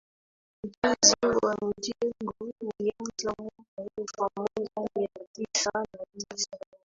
ujenzi wa mjengo ulianza mwaka elfu moja mia tisa na tisa